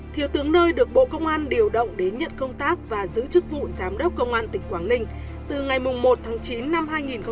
thiếu tướng nơi được bộ công an điều động đến nhận công tác và giữ chức vụ giám đốc công an tỉnh quảng ninh từ ngày một tháng chín năm hai nghìn hai mươi